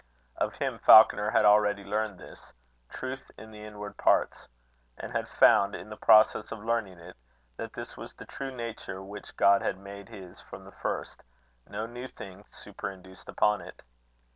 Of him Falconer had already learned this "truth in the inward parts"; and had found, in the process of learning it, that this was the true nature which God had made his from the first, no new thing superinduced upon it.